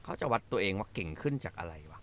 เขาจะวัดตัวเองว่าเก่งขึ้นจากอะไรวะ